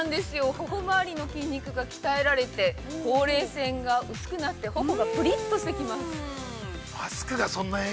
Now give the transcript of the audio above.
頬周りの筋肉が鍛えられて、ほうれい線が薄くなって、頬がぷりっとしてきます。